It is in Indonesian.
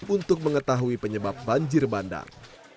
untuk mengetahui penyebab banjir bandang